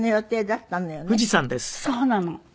そうなの。